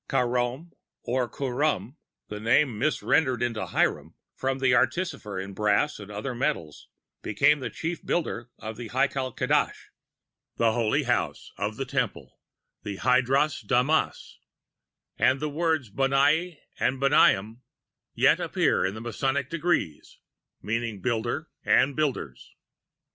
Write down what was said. Khair┼½m or Kh┼½r ┼½m, (a name mis rendered into Hiram) from an artificer in brass and other metals, became the Chief Builder of the Haikal Kadosh, the Holy House, of the Temple, the ╬Ŗ╬ĄŽü╬┐Žé ╬ö╬┐╬╝╬┐Žé; and the words Bonai and Banaim yet appear in the Masonic Degrees, meaning Builder and Builders.